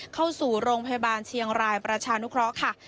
เข้าสู่โรงพยาบาลเชียงรายประชานุเคราะห์ค่ะ